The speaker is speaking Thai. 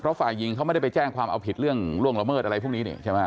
เพราะฝ่ายหญิงเขาไม่ได้ไปแจ้งความเอาผิดเรื่องล่วงละเมิดอะไรพวกนี้นี่ใช่ไหม